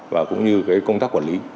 và cũng như công tác quản lý